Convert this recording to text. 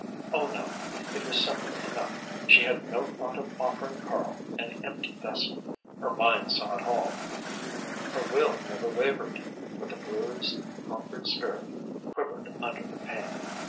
Oh no it was simple enough; she had no thought of offering Karl an empty vessel. Her mind saw it all, her will never wavered, but the bruised, conquered spirit quivered under the pain.